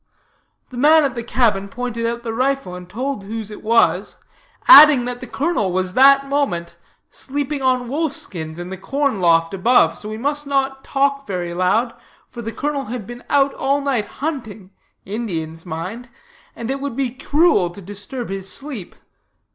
The man at the cabin pointed out the rifle, and told whose it was, adding that the colonel was that moment sleeping on wolf skins in the corn loft above, so we must not talk very loud, for the colonel had been out all night hunting (Indians, mind), and it would be cruel to disturb his sleep.